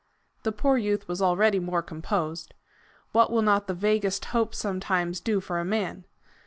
The poor youth was already more composed. What will not the vaguest hope sometimes do for a man!